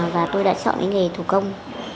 và tôi đã chọn đến nghề thủ công